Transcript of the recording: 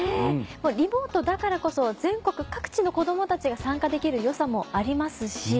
リモートだからこそ全国各地の子どもたちが参加できる良さもありますし